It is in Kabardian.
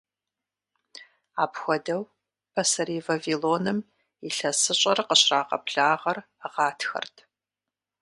Апхуэдэу, Пасэрей Вавилоным ИлъэсыщӀэр къыщрагъэблагъэр гъатхэрт.